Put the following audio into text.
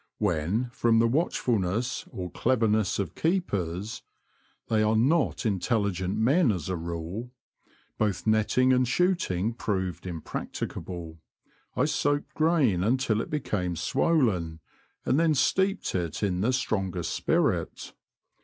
When, from the watchfulness or cleverness of keepers (they are not intelligent men as a rule), both netting and shooting proved impracticable, I soaked grain until it became swollen, and then steeped it in the strongest spirit.